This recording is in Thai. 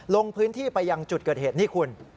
ลงพื้นที่ไปยังจุดเกิดเหตุนี่คุณ